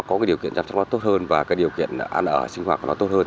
có cái điều kiện chăm sóc nó tốt hơn và cái điều kiện ăn ở sinh hoạt của nó tốt hơn